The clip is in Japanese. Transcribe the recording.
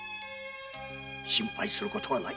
心配することはない。